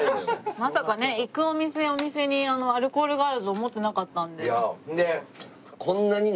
まさかね行くお店お店にアルコールがあると思ってなかったので。